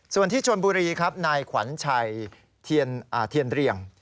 ส่วนที่ชนบุรีครับนายขวัญชัยเทียนเรียง